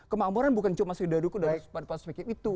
kemakmuran bukan cuma seri daduku dan pasifik itu